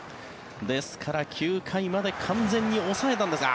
ですから、９回まで完全に抑えたんですが。